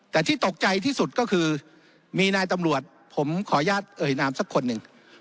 แต่ที่ตกใจที่สุดก็คือมีนายตำรวจผมขออนุญาตเอ่ยนามสักคนหนึ่ง